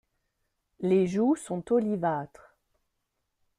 Les joues sont olivâtres.